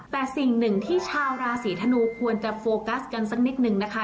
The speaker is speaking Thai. แต่สิ่งหนึ่งที่ชาวราศีธนูควรจะโฟกัสกันสักนิดนึงนะคะ